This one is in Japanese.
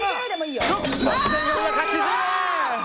６４８０円！